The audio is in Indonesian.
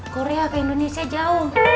korea ke indonesia jauh